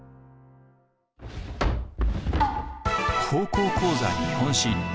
「高校講座日本史」。